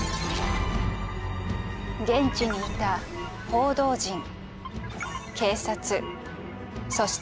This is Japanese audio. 現地にいた報道陣警察そして犯人。